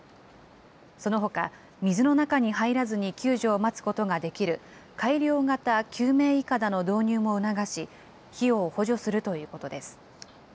そのほか、水の中に入らずに救助を待つことができる改良型救命いかだの導入も促し、費用を補助するということです。